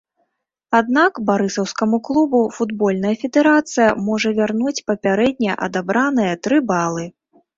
Аднак барысаўскаму клубу футбольная федэрацыя можа вярнуць папярэдне адабраныя тры балы.